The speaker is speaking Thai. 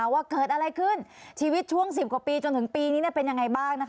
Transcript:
ว่าเกิดอะไรขึ้นชีวิตช่วง๑๐กว่าปีจนถึงปีนี้เป็นยังไงบ้าง